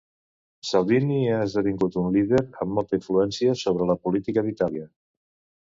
Salvini ha esdevingut un líder amb molta influència sobre la política d'Itàlia.